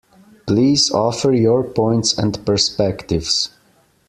Please offer your points and perspectives.